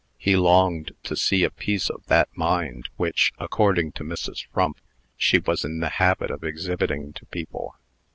He longed to see a piece of that mind, which, according to Mrs. Frump, she was in the habit of exhibiting to people.